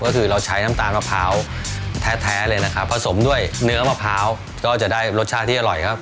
ก็คือเราใช้น้ำตาลมะพร้าวแท้เลยนะครับผสมด้วยเนื้อมะพร้าวก็จะได้รสชาติที่อร่อยครับ